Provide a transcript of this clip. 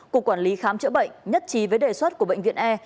cục quản lý khám chữa bệnh nhất trí với đề xuất của bệnh viện e